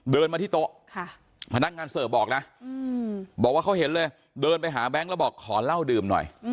เดินมาที่โต๊ะพนักงานเสิร์ฟบอกนะบอกว่าเขาเห็นเลยเดินไปหาแบงค์แล้วบอกขอเหล้าดื่มหน่อย